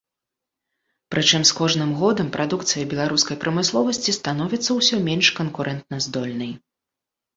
Прычым з кожным годам прадукцыя беларускай прамысловасці становіцца ўсё менш канкурэнтаздольнай.